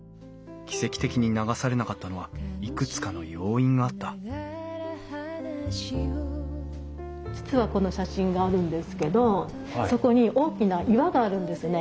奇跡的に流されなかったのはいくつかの要因があった実はこの写真があるんですけどそこに大きな岩があるんですね。